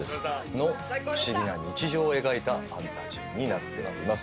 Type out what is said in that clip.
の不思議な日常を描いたファンタジーになっております。